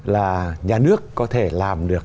là nhà nước có thể làm được